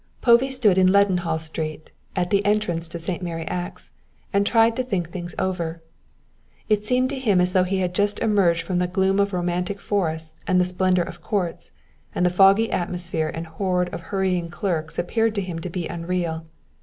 Povey stood in Leadenhall Street at the entrance to St. Mary Axe and tried to think things over. It seemed to him as though he had just emerged from the gloom of romantic forests and the splendour of courts, and the foggy atmosphere and hoard of hurrying clerks appeared to him to be unreal.